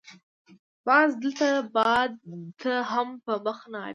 باز تند باد ته هم مخ نه اړوي